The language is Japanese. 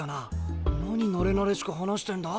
何なれなれしく話してんだ？